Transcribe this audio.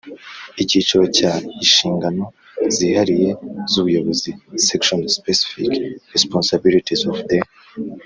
Icyiciro cya Inshingano zihariye z ubuyobozi Section Specific responsibilities of the